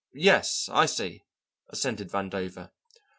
"Yes, I see," assented Vandover.